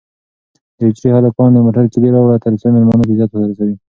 د حجرې هلکانو د موټر کیلي راوړه ترڅو مېلمانه په عزت ورسوي.